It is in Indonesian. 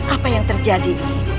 apa yang terjadi